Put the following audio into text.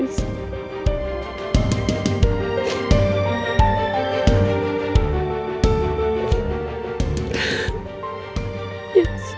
terima kasih ma